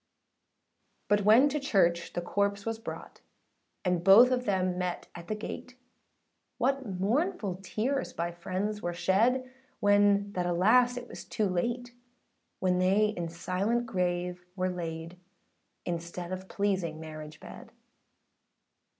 But when to church the corpse was brought, And both of them met at the gate; What mournful tears by friends were shed, When that alas it was too late,â When they in silent grave were laid, Instead of pleasing marriage bed.